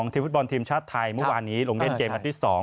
ทีมฟุตบอลทีมชาติไทยเมื่อวานนี้ลงเล่นเกมนัดที่๒